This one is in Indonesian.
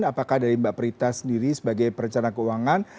apakah dari mbak prita sendiri sebagai perencana keuangan